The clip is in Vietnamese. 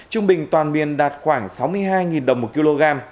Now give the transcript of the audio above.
trung bình toàn miền đạt khoảng sáu mươi hai đồng một kg